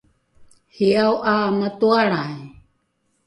hiao ’a matoalrai